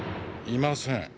いません。